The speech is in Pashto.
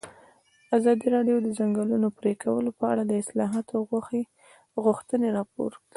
ازادي راډیو د د ځنګلونو پرېکول په اړه د اصلاحاتو غوښتنې راپور کړې.